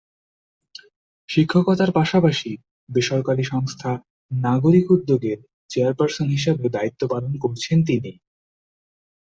শিক্ষকতার পাশাপাশি বেসরকারি সংস্থা ‘নাগরিক উদ্যোগ’ এর চেয়ারপারসন হিসাবেও দায়িত্ব পালন করছেন তিনি।